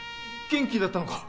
元気だったのか。